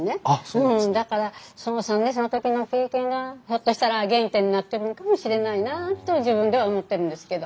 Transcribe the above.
うんだからその３年生の時の経験がひょっとしたら原点になってるんかもしれないなと自分では思ってるんですけど。